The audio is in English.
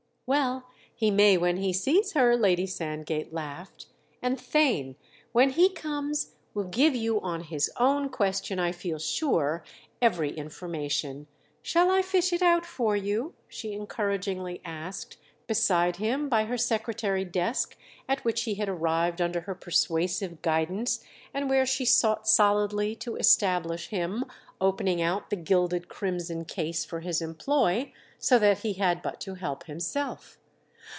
"Well, he may when he sees her!" Lady Sandgate laughed. "And Theign, when he comes, will give you on his own question, I feel sure, every information. Shall I fish it out for you?" she encouragingly asked, beside him by her secretary desk, at which he had arrived under her persuasive guidance and where she sought solidly to establish him, opening out the gilded crimson case for his employ, so that he had but to help himself.